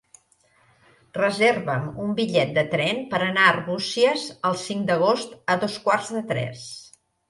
Reserva'm un bitllet de tren per anar a Arbúcies el cinc d'agost a dos quarts de tres.